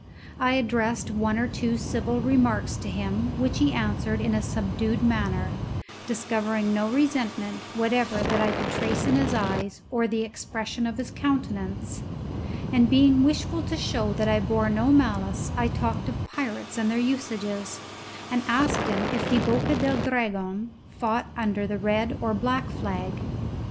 I addressed one or two civil remarks to him, which he answered in a subdued manner, discovering no resentment whatever that I could trace in his eyes or the expression of his countenance; and being wishful to show that I bore no malice I talked of pirates and their usages, and asked him if the Boca del Dragon fought under the red or black flag.